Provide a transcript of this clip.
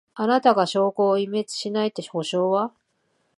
あなたが証拠を隠滅しないって保証は？